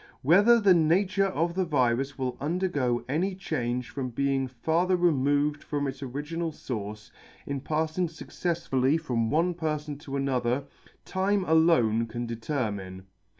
Whether the nature of the virus will undergo any change from being farther removed from its original fource, in palling fuc ceffively from one perfon to another, time alone can determine.